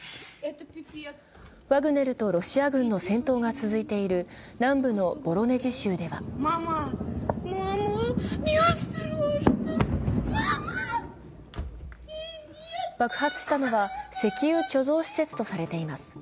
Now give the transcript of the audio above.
ワグネルとロシア軍の戦闘が続いている南部のボロネジ州では爆発したのは石油貯蔵施設とされています。